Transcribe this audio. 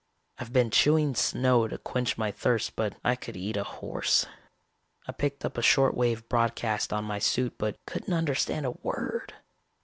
I've been chewing snow to quench my thirst but I could eat a horse. I picked up a short wave broadcast on my suit but couldn't understand a word.